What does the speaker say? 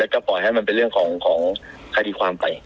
ก็ปล่อยให้มันเป็นเรื่องของคดีความไป